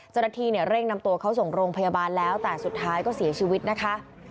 เจ้าหน้าที่เนี่ยเร่งนำตัวเขาส่งโรงพยาบาลแล้วแต่สุดท้ายก็เสียชีวิตนะคะ